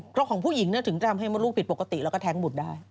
เพราะของผู้หญิงถึงจะทำให้มดลูกผิดปกติแล้วก็แท้งบุตรได้